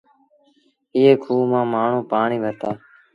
ايئي کوه مآݩ مآڻهوٚݩ پآڻيٚ ڀرتآ۔